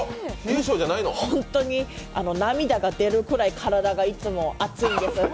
本当に涙が出るくらい体がいつも熱いんです。